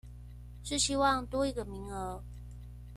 是希望多一個名額